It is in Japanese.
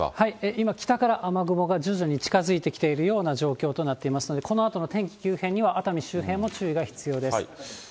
今、北から雨雲が徐々に近づいてきているような状況となっていますので、このあとの天気急変には、熱海周辺も注意が必要です。